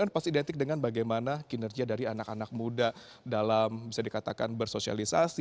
pasti identik dengan bagaimana kinerja dari anak anak muda dalam bisa dikatakan bersosialisasi